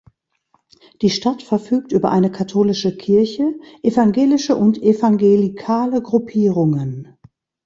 Die Stadt verfügt über eine katholische Kirche, evangelische und evangelikale Gruppierungen.